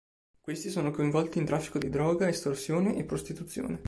Questi sono coinvolti in traffico di droga, estorsione e prostituzione.